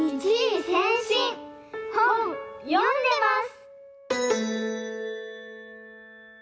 ほんよんでます。